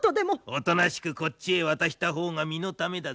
おとなしくこっちへ渡したほうが身のためだぜ。